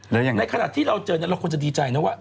ในขณะที่เราเจอเราควรจะดีใจนะว่า